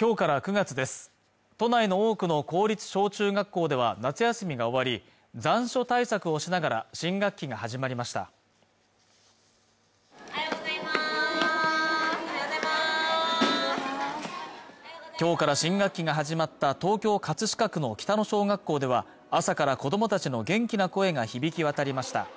今日から９月です都内の多くの公立小中学校では夏休みが終わり残暑対策をしながら新学期が始まりました今日から新学期が始まった東京葛飾区の北野小学校では朝から子どもたちの元気な声が響き渡りました